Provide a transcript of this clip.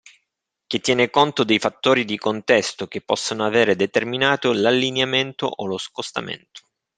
Che tiene conto dei fattori di contesto che possono avere determinato l'allineamento o lo scostamento.